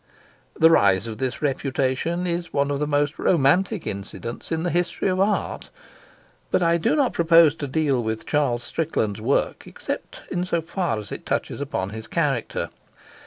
The rise of this reputation is one of the most romantic incidents in the history of art. But I do not propose to deal with Charles Strickland's work except in so far as it touches upon his character.